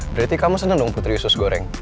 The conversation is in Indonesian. berarti kamu seneng dong putri yusus goreng